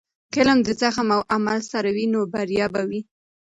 که علم د زغم او عمل سره وي، نو بریا به وي.